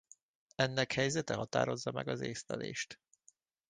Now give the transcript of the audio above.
Ennek helyzete határozza meg az észlelést.